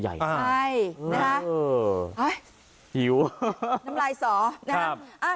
ใช่นะฮะหิวน้ำลายสอนะครับ